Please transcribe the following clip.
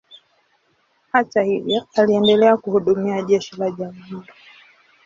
Hata hivyo, aliendelea kuhudumia jeshi la jamhuri.